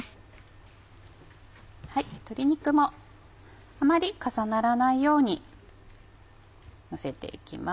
鶏肉もあまり重ならないようにのせて行きます。